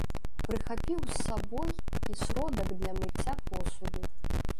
Прыхапіў з сабой і сродак для мыцця посуду.